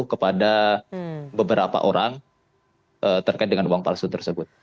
kepada beberapa orang terkait dengan uang palsu tersebut